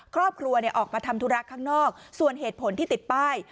ครอบครัวออกมาทำธุระข้างนอกส่วนเหตุผลที่ติดป้าย